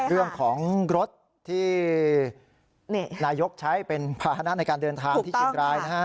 เรื่องของรถที่นายกใช้เป็นภาษณะในการเดินทางที่เชียงรายนะฮะ